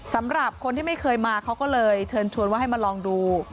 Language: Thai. สำหรับคนที่ไม่เคยมาเขาก็เลยเชิญชวนว่าให้มาลองดู